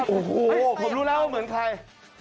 โอ้โหผมรู้แล้วว่าเหมือนใคร